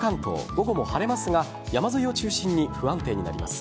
午後も晴れますが山沿いを中心に不安定になります。